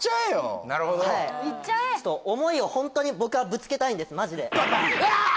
はいちょっと思いをホントに僕はぶつけたいんですマジでババン！